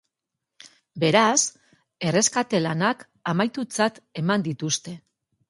Beraz, erreskate-lanak amaitutzat eman dituzte.